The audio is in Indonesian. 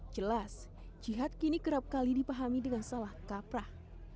jelas jihad kini kerap kali dipahami dengan salah kaprah